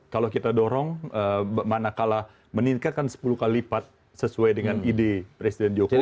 kalau kita dorong manakala meningkatkan sepuluh kali lipat sesuai dengan ide presiden jokowi